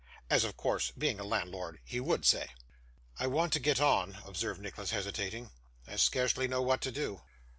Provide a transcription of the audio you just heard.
As of course, being a landlord, he would say. 'I want to get on,' observed Nicholas, hesitating. 'I scarcely know what to do.